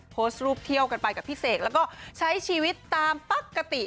โพสต์รูปเที่ยวกันไปกับพี่เสกแล้วก็ใช้ชีวิตตามปกติ